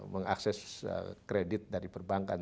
mengakses kredit dari perbankan